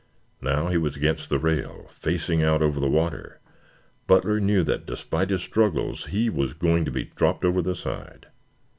Now he was against the rail, facing out over the water. Butler knew that, despite his struggles, he was going to be dropped over the side.